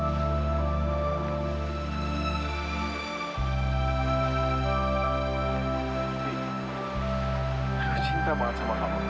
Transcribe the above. cinta banget sama kamu